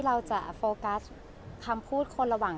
ก้อยจะเรียกว่าอะไรดี